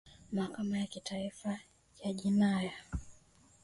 mahakama ya kimataifa ya jinai ya yugoslavia ilipewa jukumu hilo